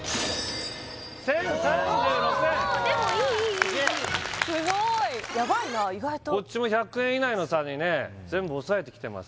１０３６円でもいいいいいいいいすごいやばいな意外とこっちも１００円以内の差にね全部おさえてきてます